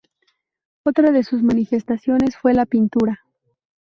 Otra de sus manifestaciones fue la pintura.